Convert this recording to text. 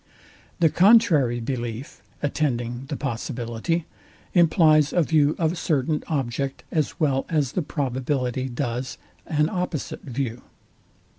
The contrary belief, attending the possibility, implies a view of a certain object, as well as the probability does an opposite view.